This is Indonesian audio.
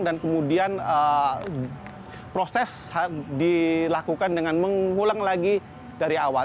dan kemudian proses dilakukan dengan mengulang lagi dari awal